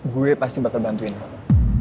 gue pasti bakal bantuin kak